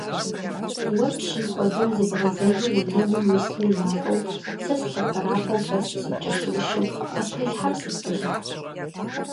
Уэ пщым хуэдэу зыбгъэзыжу уанэгум уису унакӀуэу, сэ сылъэпэрапэу лъэсу сыпкӀэлъыущу, къыстрилъхьар сыт бэлыхь?